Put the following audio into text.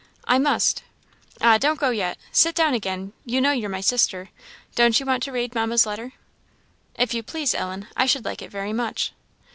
"I must." "Ah, don't go yet! Sit down again; you know you're my sister don't you want to read Mamma's letter?" "If you please, Ellen I should like it very much."